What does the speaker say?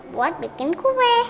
buat bikin kue